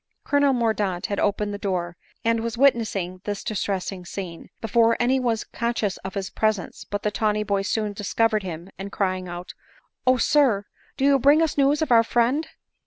* Colonel Mordaunt had opened the door, and was wit nessing this distressing scene, before any one was con scious of his presence ; but the tawny boy soon discovered him, and crying out —" Oh ! sir, do you bring us news of our friend